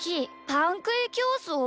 パンくいきょうそう」？